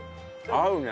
合うね。